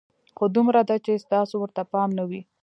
خو دومره ده چې ستاسو ورته پام نه وي.